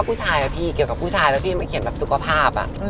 ผู้ชายอะพี่เกี่ยวกับผู้ชายแล้วพี่มาเขียนแบบสุขภาพ